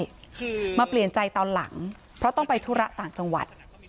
คือมาเปลี่ยนใจตอนหลังเพราะต้องไปธุระต่างจังหวัด